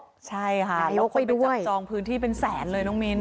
เราก็จะไปจับจองพื้นที่เป็นแสนเลยช่วยน้องมิ้น